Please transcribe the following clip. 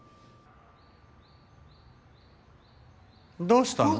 どうしたの？